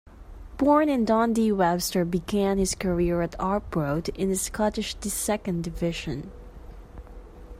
Born in Dundee, Webster began his career at Arbroath in the Scottish Second Division.